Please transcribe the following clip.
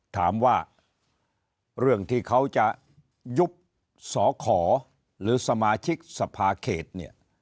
ถามว่าเรื่องที่เขาจะยุบสขหรือสมาชิกสภาเขตเนี่ย